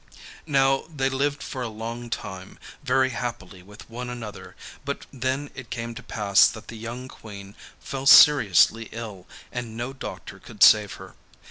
Now, they lived for a long time very happily with one another, but then it came to pass that the young Queen fell seriously ill, and no doctor could save her.